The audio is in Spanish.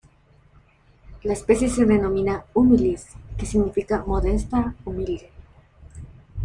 La especie se denomina, "humilis", que significa 'modesta', 'humilde'.